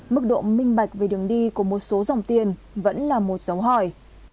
mức độ minh bạch về đường đi của một số dòng tiền vẫn là một dấu hỏi